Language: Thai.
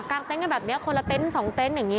กลางเต้นกันแบบนี้คนละเต้นสองเต้นอย่างนี้